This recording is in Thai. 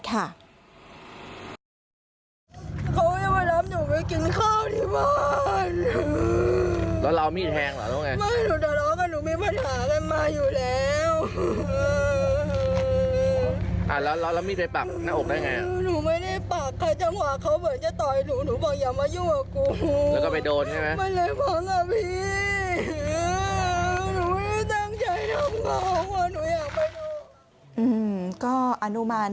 ค้าว่าฉันพันธุ์เลี่ยงมารับฉันไปกินข้าวในบ้าน